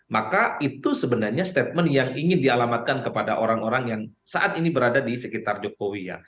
maka itu sebenarnya statement yang ingin dialamatkan kepada orang orang yang saat ini berada di sekitar jokowi ya